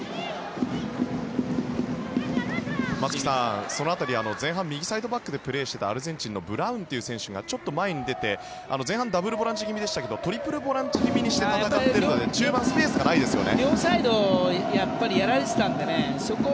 松木さん、その辺り前半右サイドバックでプレーをしていたアルゼンチンのブラウンという選手がちょっと前に出て前半ダブルボランチ気味でしたがトリプルボランチにして戦っているので中盤、スペースがないですね。